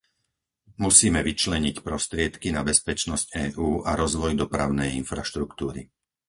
Musíme vyčleniť prostriedky na bezpečnosť EÚ a rozvoj dopravnej infraštruktúry.